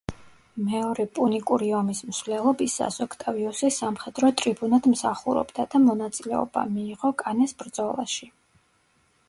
მეორე პუნიკური ომის მსვლელობისას, ოქტავიუსი სამხედრო ტრიბუნად მსახურობდა და მონაწილეობა მიიღო კანეს ბრძოლაში.